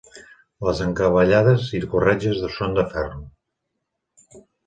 Les encavallades i corretges són de ferro.